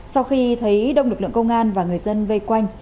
sau khi thấy đông lực lượng công an và người dân vây quanh